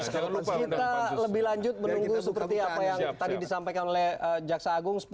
kita lebih lanjut menunggu seperti apa yang tadi disampaikan oleh jaksa agung